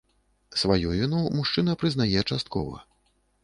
Сваю віну мужчына прызнае часткова.